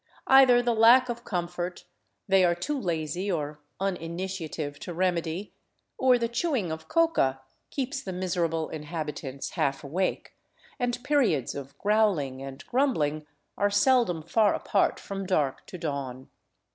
Either the lack of comfort they are too lazy or uninitiative to remedy, or the chewing of coca keeps the miser able inhabitants half awake, and periods of growling and grumbling are seldom far apart from dark to dawn.